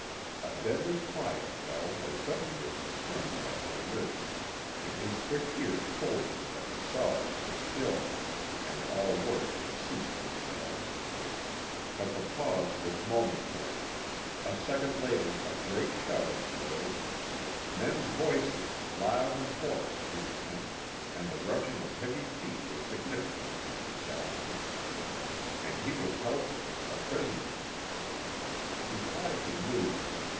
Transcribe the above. A deadly quiet fell as suddenly as the turmoil had arisen, and his quick ears told him that the saws were still, and all work had ceased in the mill. But the pause was momentary. A second later a great shouting arose. Men's voices, loud and hoarse, reached him, and the rushing of heavy feet was significant of the disaster. And he was helpless, a prisoner. He tried to move.